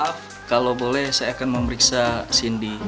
maaf kalau boleh saya akan memeriksa cindy